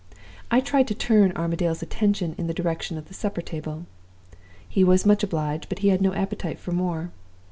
I tried to turn Armadale's attention in the direction of the supper table. He was much obliged, but he had no appetite for more.